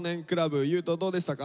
優斗どうでしたか？